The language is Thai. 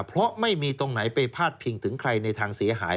เพราะไม่มีตรงไหนไปพาดพิงถึงใครในทางเสียหาย